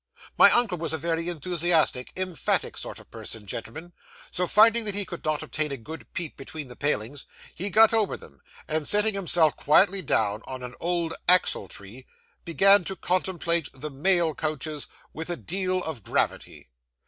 My uncle was a very enthusiastic, emphatic sort of person, gentlemen; so, finding that he could not obtain a good peep between the palings he got over them, and sitting himself quietly down on an old axle tree, began to contemplate the mail coaches with a deal of gravity.